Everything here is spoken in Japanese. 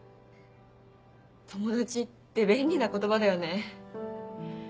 「友達」って便利な言葉だよね。